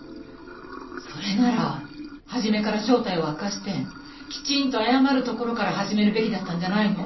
それなら初めから正体を明かしてきちんと謝るところから始めるべきだったんじゃないの？